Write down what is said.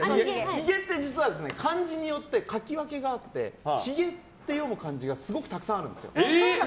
ひげって実は漢字によって書き分けがあって「ひげ」って読む漢字がすごくたくさんあるんですよ。